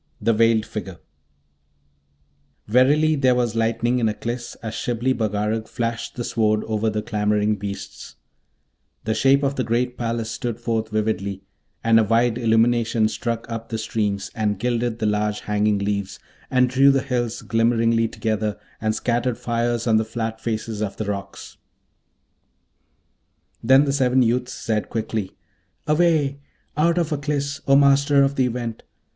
THE VEILED FIGURE Verily there was lightning in Aklis as Shibli Bagarag flashed the Sword over the clamouring beasts: the shape of the great palace stood forth vividly, and a wide illumination struck up the streams, and gilded the large hanging leaves, and drew the hills glimmeringly together, and scattered fires on the flat faces of the rocks. Then the seven youths said quickly, 'Away! out of Aklis, O Master of the Event!